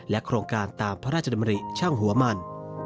โครงการตามพระราชดำริช่างหัวมัน